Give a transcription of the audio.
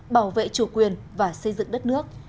bảo vệ chủ quyền và xây dựng đất nước